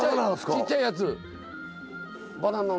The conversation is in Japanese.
ちっちゃいやつ。